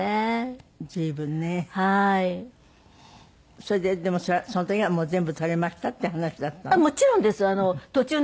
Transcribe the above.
それででもその時は全部取れましたっていう話だったの？